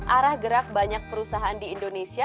arah gerak banyak perusahaan di indonesia